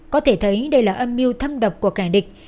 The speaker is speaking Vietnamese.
có thể thấy đây là âm mưu thăm độc của cả địch